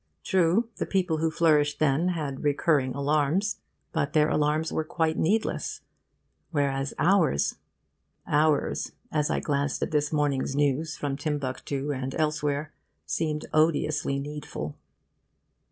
True, the people who flourished then had recurring alarms. But their alarms were quite needless; whereas ours ! Ours, as I glanced at this morning' s news from Timbuctoo and elsewhere, seemed odiously needful.